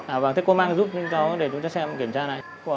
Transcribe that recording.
à vâng thế cô mang giúp cho chúng cháu để chúng cháu xem kiểm tra này